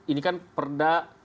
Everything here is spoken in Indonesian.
ini kan perda